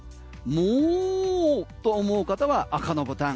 モーと思う方は赤のボタン。